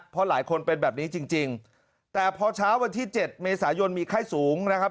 เพราะหลายคนเป็นแบบนี้จริงแต่พอเช้าวันที่๗เมษายนมีไข้สูงนะครับ